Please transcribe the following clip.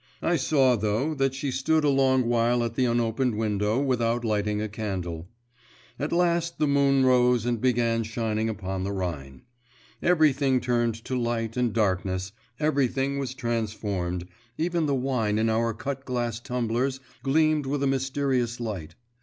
I saw, though, that she stood a long while at the unopened window without lighting a candle. At last the moon rose and began shining upon the Rhine; everything turned to light and darkness, everything was transformed, even the wine in our cut glass tumblers gleamed with a mysterious light.